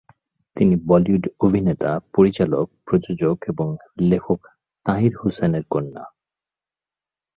তিনি বলিউড অভিনেতা, পরিচালক, প্রযোজক এবং লেখক তাহির হোসেনের কন্যা।